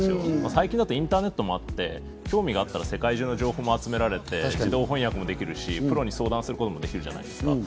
最近、インターネットとかあって興味があれば、世界中の情報を集められて自動翻訳もできるし、プロに相談することもできる。